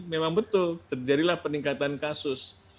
memang betul terjadilah peningkatan kasus